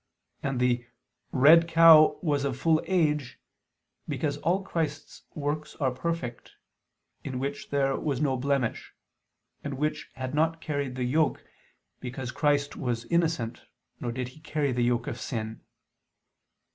And the "red cow was of full age," because all Christ's works are perfect, "in which there" was "no blemish"; "and which" had "not carried the yoke," because Christ was innocent, nor did He carry the yoke of sin.